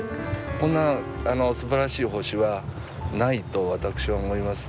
こんなすばらしい星はないと私は思います。